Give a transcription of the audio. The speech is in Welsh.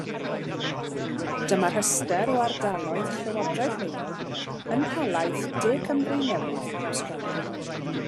Dyma restr o ardaloedd llywodraeth leol yn Nhalaith De Cymru Newydd Awstralia.